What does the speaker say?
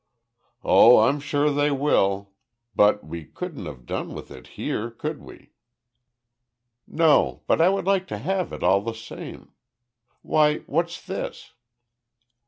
"Oh, I'm sure they will. But we couldn't have done with it here, could we?" "No, but I would like to have it all the same. Why, what's this?"